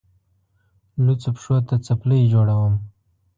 لوڅو پښو ته څپلۍ جوړوم.